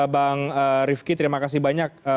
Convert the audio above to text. bang rifki terima kasih banyak